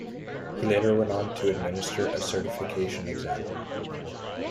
He later went on to administer a certification exam.